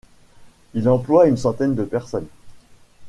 Il emploie une centaine de personnes.